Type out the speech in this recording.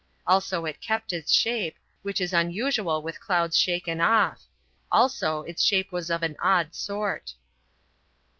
Also it kept its shape, which is unusual with clouds shaken off; also its shape was of an odd sort.